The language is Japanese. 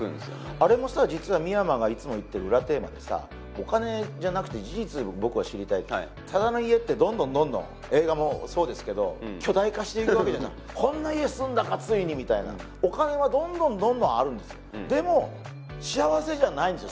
あれもさ実は深山がいつも言ってる裏テーマでさお金じゃなくて事実を僕は知りたい佐田の家ってどんどんどんどん映画もそうですけど巨大化していくわけじゃないこんな家住んだかついにみたいなお金はどんどんどんどんあるんですよでも幸せじゃないんですよ